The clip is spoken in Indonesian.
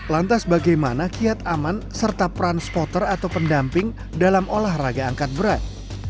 lantas bagaimana kiat aman serta peran spotter atau pendamping dalam olahraga angkat berat